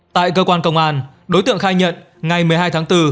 tại cơ quan công an đối tượng khai nhận ngày một mươi hai tháng bốn